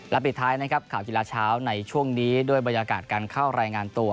และปิดท้ายนะครับข่าวกีฬาเช้าในช่วงนี้ด้วยบรรยากาศการเข้ารายงานตัว